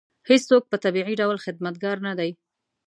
هېڅوک په طبیعي ډول خدمتګار نه دی.